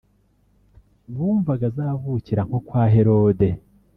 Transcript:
bumvaga azavukira nko kwa Herode